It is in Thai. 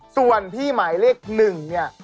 ส่วนพี่หมายเลขหนึ่งนี่